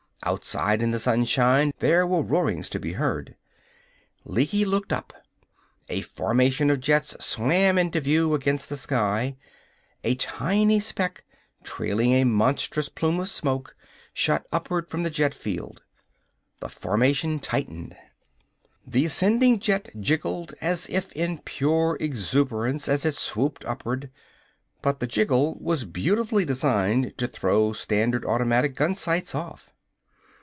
Outside, in the sunshine, there were roarings to be heard. Lecky looked up. A formation of jets swam into view against the sky. A tiny speck, trailing a monstrous plume of smoke, shot upward from the jet field. The formation tightened. The ascending jet jiggled as if in pure exuberance as it swooped upward but the jiggle was beautifully designed to throw standard automatic gunsights off.